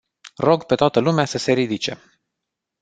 Rog pe toată lumea să se ridice.